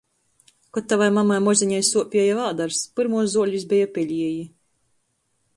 Kod tavai mamai mozeņai suopieja vādars, pyrmuos zuolis beja pelieji.